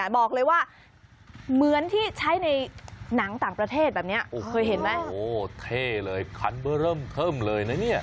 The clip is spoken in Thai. บอกเลยว่าเหมือนที่ใช้ในน้ำต่างประเทศนี้เห็นมั้ย